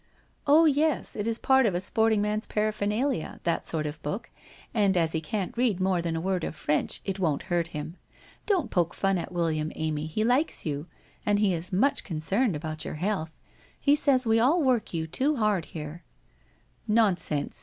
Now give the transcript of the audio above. ' Oh, yes, it is part of a sporting man's paraphernalia, that sort of book, and as he can't read more than a word of French, it won't hurt him. Don't poke fun at William, Amy, he likes you, and he is much concerned about your health. He says we all work you too hard here.' * Nonsense !